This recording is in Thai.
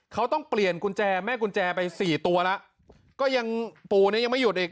เขาต้องเปลี่ยนกุญแจแม่กุญแจไปสี่ตัวแล้วก็ยังปู่นี้ยังไม่หยุดอีก